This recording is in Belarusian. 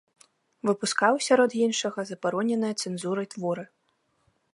Выпускаў, сярод іншага, забароненыя цэнзурай творы.